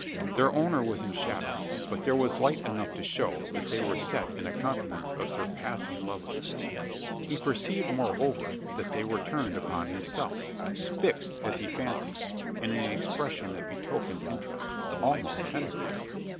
Their owner was in shadow; but there was light enough to show that they were set in a countenance of surpassing loveliness. He perceived, moreover, that they were turned upon himself fixed, as he fancied, in an expression that betokened interest almost tenderness!